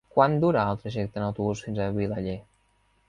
Quant dura el trajecte en autobús fins a Vilaller?